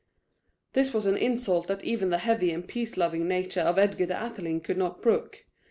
This was an insult that even the heavy and peace loving nature of Edgar the Atheling could not brook.